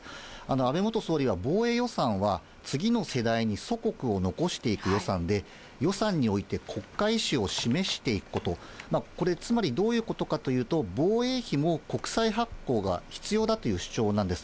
安倍元総理は防衛予算は次の世代に祖国を残していく予算で、予算において国家意思を示していくこと、これ、つまりどういうことかというと、防衛費も国債発行が必要だという主張なんです。